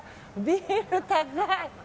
ビル、高い。